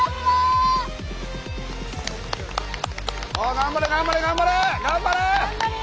頑張れ頑張れ頑張れ！